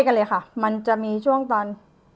กันเลยค่ะมันจะมีช่วงตอน